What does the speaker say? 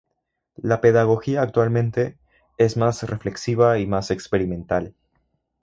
La pedagogía actualmente, es más reflexiva y más experimental.